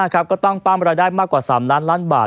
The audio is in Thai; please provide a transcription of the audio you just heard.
ก็ตั้งปั้มรายได้มากกว่า๓ล้านล้านบาท